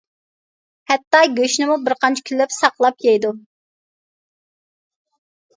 ھەتتا گۆشنىمۇ بىرقانچە كۈنلەپ ساقلاپ يەيدۇ.